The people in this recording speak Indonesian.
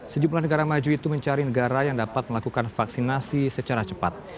sejumlah negara maju itu mencari negara yang dapat melakukan vaksinasi secara cepat